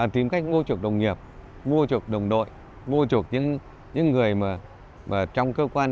tìm cách mua chuộc đồng nghiệp mua chuộc đồng đội mua chuộc những người trong cơ quan